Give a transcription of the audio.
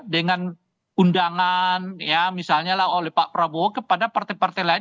dengan undangan ya misalnya lah oleh pak prabowo kepada partai partai lain